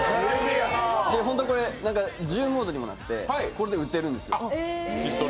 これ、銃モードにもなってこれで撃てるんですよ。